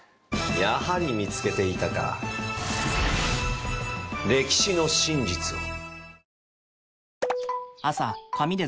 やはり見つけていたか歴史の真実を。